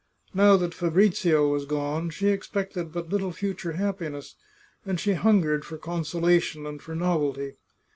Now that Fabrizio was gone, she expected but little future happiness, and she hungered for consolation and for novelty.